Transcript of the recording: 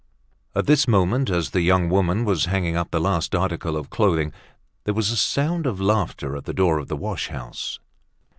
At this moment, as the young woman was hanging up the last article of clothing, there was a sound of laughter at the door of the wash house.